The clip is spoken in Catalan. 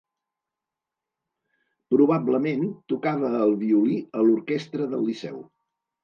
Probablement tocava el violí a l'Orquestra del Liceu.